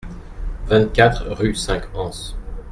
vingt-quatre rue de Cinq Ans